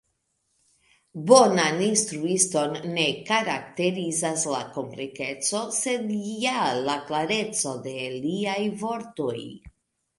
Bonan instruiston ne karakterizas la komplikeco, sed ja la klareco de liaj vortoj!